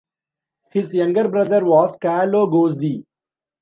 His younger brother was Carlo Gozzi.